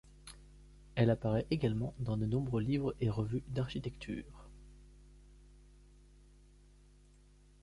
Elle apparaît également dans de nombreux livres et revues d’architecture.